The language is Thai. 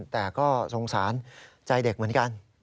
แต่ก็สงสารใจเด็กเหมือนกัน